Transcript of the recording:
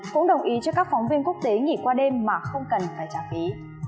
cũng đồng ý cho các phóng viên quốc tế nghỉ qua đêm mà không cần phải trả phí